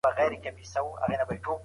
د غچ اخیستلو نشه ډیره خطرناکه ده.